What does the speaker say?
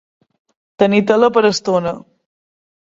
Tenir tela per estona.